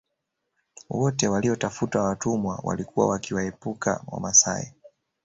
Wote waliotafuta watumwa walikuwa wakiwaepuka Wamasai